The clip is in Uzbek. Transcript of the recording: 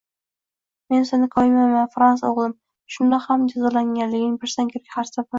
Men seni koyimayman, Frans, o`g`lim, shundoq ham jazolanganligingni bilsang kerak… Har safar